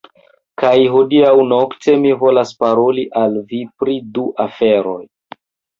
Kaj hodiaŭ nokte, mi volas paroli al vi pri du aferoj.